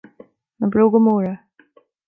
Na bróga móra